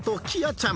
ちゃん